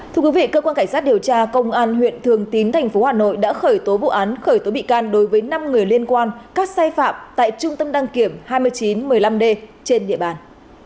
thưa quý vị cơ quan cảnh sát điều tra công an huyện thường tín tp hà nội đã khởi tố vụ án khởi tố bị can đối với năm người liên quan các sai phạm tại trung tâm đăng kiểm hai nghìn chín một mươi năm d trên địa bàn